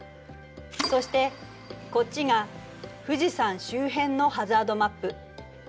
そしてこっちが富士山周辺のハザードマップ。